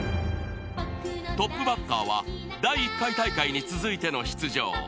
［トップバッターは第１回大会に続いての出場］